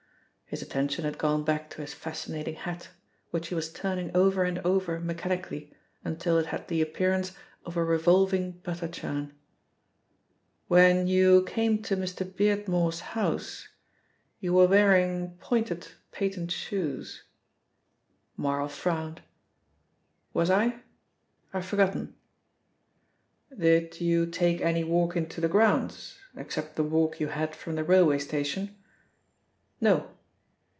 His attention had gone back to his fascinating hat, which he was turning over and over mechanically until it had the appearance of a revolving butter churn. "When you came to Mr. Beardmore's house you were wearing pointed patent shoes." Marl frowned. "Was I? I've forgotten." "Did you take any walk into the grounds, except the walk you had from the railway station?" "No."